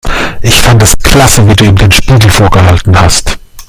Ich fand es klasse, wie du ihm den Spiegel vorgehalten hast.